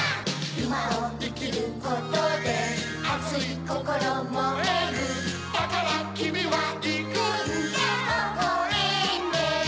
いまをいきることであついこころもえるだからきみはいくんだほほえんで